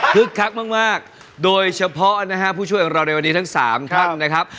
คักมากโดยเฉพาะนะฮะผู้ช่วยของเราในวันนี้ทั้ง๓ท่านนะครับ